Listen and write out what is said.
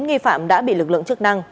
nghi phạm đã bị lực lượng chức năng